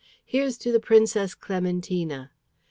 Here's to the Princess Clementina!"